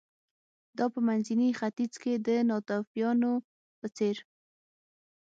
دا په منځني ختیځ کې د ناتوفیانو په څېر و